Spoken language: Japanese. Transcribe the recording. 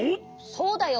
そうだよ。